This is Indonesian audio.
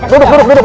duduk duduk duduk